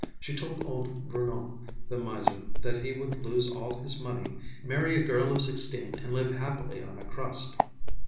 She told old Brunot, the miser, that he would lose all his money, marry a girl of sixteen, and live happily on a crust.